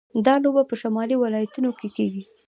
دا لوبه په شمالي ولایتونو کې کیږي.